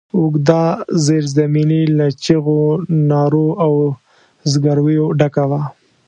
اوږده زېرزميني له چيغو، نارو او زګرويو ډکه وه.